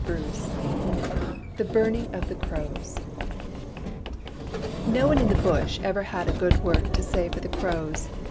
N XI THE BURNING OF THE CROWS NO one in the Bush ever had a good word to say for the Crows.